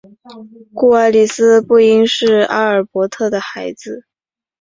故爱丽丝不应是阿尔伯特的孩子。